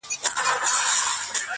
بدنام دښمن سره خبره د آبرو نه کېږي